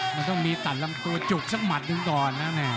มันต้องมีตัดลำตัวจุกสักหมัดหนึ่งก่อนนะแม่